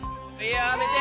やめて！